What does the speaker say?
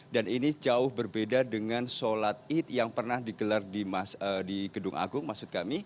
dan ini jauh berbeda dengan sholat id yang pernah digelar di gedung agung maksud kami